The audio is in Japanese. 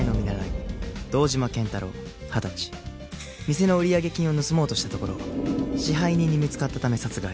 店の売上金を盗もうとしたところ支配人に見つかったため殺害。